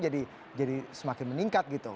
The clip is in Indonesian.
jadi semakin meningkat gitu